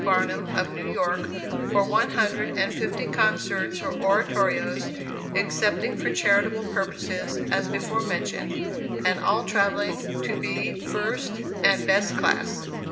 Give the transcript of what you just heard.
Barnum, of New York, for one hundred and fifty concerts or oratorios, excepting for charitable purposes as before mentioned; and all travelling to be first and best class.